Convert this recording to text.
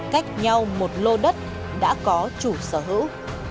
cách nhau một lô đất đã có chủ sở hữu